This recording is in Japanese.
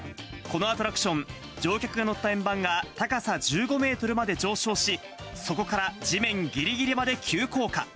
このアトラクション、乗客が乗った円盤が高さ１５メートルまで上昇し、そこから地面ぎりぎりまで急降下。